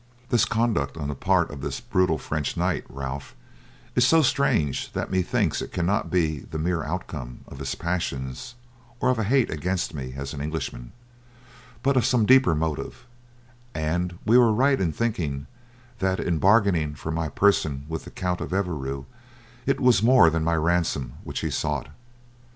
"This conduct on the part of this brutal French knight, Ralph, is so strange that methinks it cannot be the mere outcome of his passions or of hate against me as an Englishman, but of some deeper motive; and we were right in thinking that in bargaining for my person with the Count of Evreux it was more than my ransom which he sought.